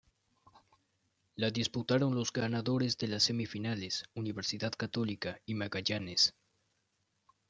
La disputaron los ganadores de las semifinales, Universidad Católica y Magallanes.